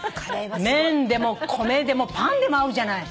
麺でも米でもパンでも合うじゃない。